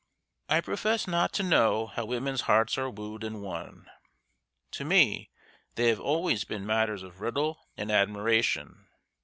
I profess not to know how women's hearts are wooed and won. To me they have always been matters of riddle and admiration.